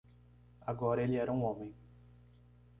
Agora ele era um homem